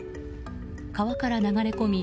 川から流れ込み